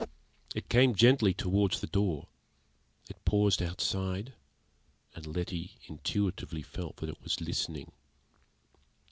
It came gently towards the door; it paused outside, and Letty intuitively felt that it was listening.